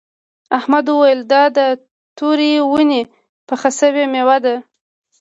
احمد وویل دا د تورې ونې پخه شوې میوه ده.